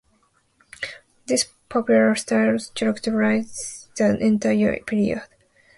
This popular style characterizes the entire period.